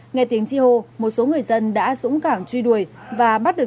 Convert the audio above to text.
nghe tiếng chi hô một số người dân đã dũng cảm truy đuổi và bắt được